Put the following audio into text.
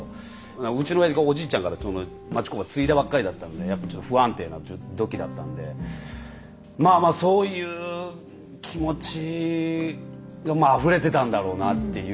うちのおやじがおじいちゃんからその町工場継いだばっかりだったんでやっぱちょっと不安定なときだったんでまあまあそういう気持ちあふれてたんだろうなっていうのはね